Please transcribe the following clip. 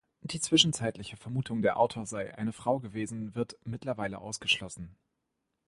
Die zwischenzeitliche Vermutung, der Autor sei eine Frau gewesen, wird mittlerweile ausgeschlossen.